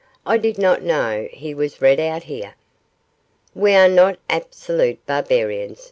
I did not know he was read out here.' 'We are not absolute barbarians, M.